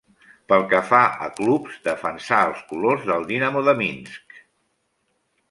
Pel que fa a clubs, defensà els colors de Dinamo Minsk.